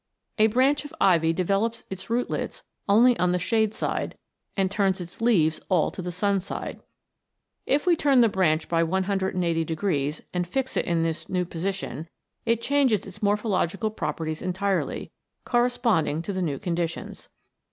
A branch of ivy develops its rootlets only on the shade side, and turns its leaves all to the sun side. If we turn the branch by 180 degrees and fix it in this new position, it changes its morphological properties entirely, corresponding to the new conditions.